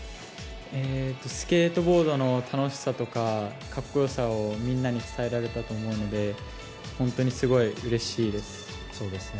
スケートボードの楽しさとか格好良さをみんなに伝えられたと思うので本当にすごいうれしいです。